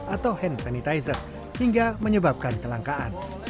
atau hand sanitizer hingga menyebabkan kelangkaan